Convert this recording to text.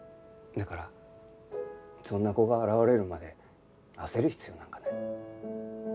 だからそんな子が現れるまで焦る必要なんかない。